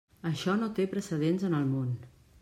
Això no té precedents en el món.